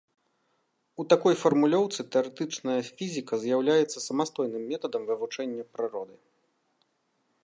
У такой фармулёўцы тэарэтычная фізіка з'яўляецца самастойным метадам вывучэння прыроды.